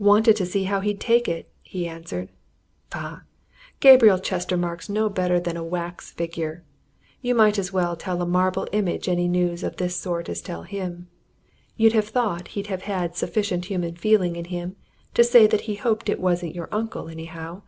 "Wanted to see how he'd take it!" he answered. "Bah! Gabriel Chestermarke's no better than a wax figure! You might as well tell a marble image any news of this sort as tell him! You'd have thought he'd have had sufficient human feeling in him to say that he hoped it wasn't your uncle, anyhow!"